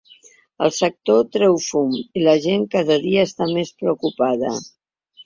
El sector treu fum i la gent cada dia està més preocupada.